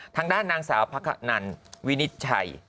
ทางด้านนางสาวพระขนันวินิจชัย